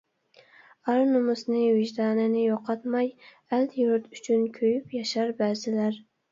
ئار-نومۇسنى ۋىجدانىنى يوقاتماي، ئەل-يۇرت ئۈچۈن كۆيۈپ ياشار بەزىلەر.